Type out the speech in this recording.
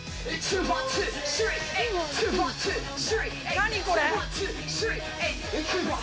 何これ？